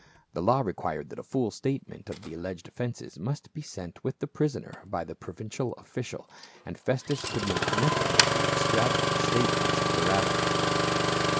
The law required that a full statement of the alleged offences must be sent with the prisoner by the provincial official, and Festus could make nothing of the extravagant state ments of the rabbis.